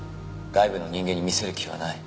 外部の人間に見せる気はない。